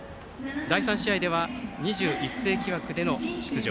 第３試合では２１世紀枠での出場